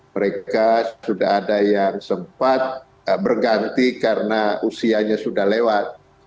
mereka sudah ada yang sempat berganti karena usianya sudah lewat